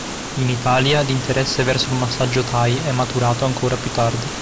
In Italia, l'interesse verso il massaggio thai è maturato ancora più tardi.